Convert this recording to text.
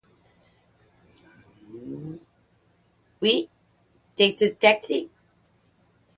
Upon returning to Brazil he joined the band Angra.